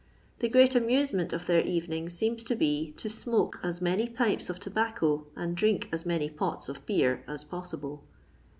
The great amusement of their cTenings seems to be, to smoke as many pipes of tobacco and drink as many pots of beer as possible.